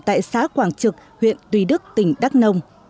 tại xã quảng trực huyện tùy đức tỉnh đắk nông